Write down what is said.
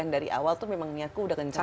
dari awal niatku udah kenceng